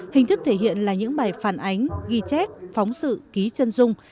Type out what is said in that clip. hình thức thể hiện là những bài phản ánh ghi chép phóng sự ký chân dung